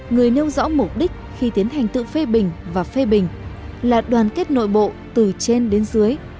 người nêu rõ mục đích khi tiến hành tự phê bình và phê bình là đoàn kết nội bộ từ trên đến dưới